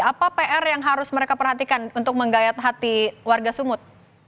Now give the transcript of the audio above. apa pr yang harus mereka perhatikan untuk menggayat hati warga sumut